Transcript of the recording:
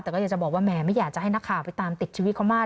แต่ก็อยากจะบอกว่าแหมไม่อยากจะให้นักข่าวไปตามติดชีวิตเขามาก